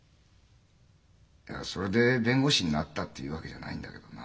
いやそれで弁護士になったっていうわけじゃないんだけどな。